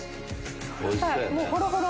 もうほろほろ。